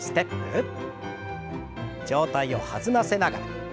上体を弾ませながら。